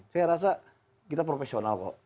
saya rasa kita profesional kok